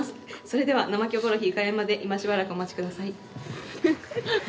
それでは「生キョコロヒー」開演まで今しばらくお待ちください。